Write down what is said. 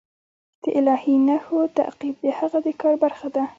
د الهي نښو تعقیب د هغه د کار برخه ده.